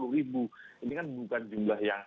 lima puluh ribu ini kan bukan jumlah